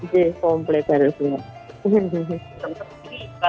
ini komplet dari saya